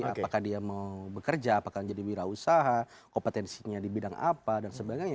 apakah dia mau bekerja apakah menjadi wira usaha kompetensinya di bidang apa dan sebagainya